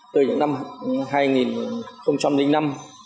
từ những năm